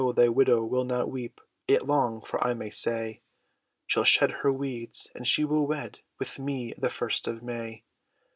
thy widow, will not weep It long, for I may say, She'll shed her weeds, and she will wed With me, the first of May!